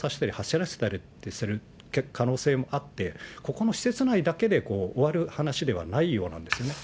そういった所で運動させたり、走らせたりする可能性もあって、ここの施設内だけで終わる話ではないようなんですね。